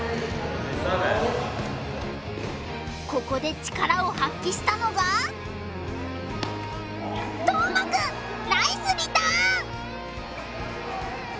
ここで力を発揮したのが斗真くん！ナイスリターン！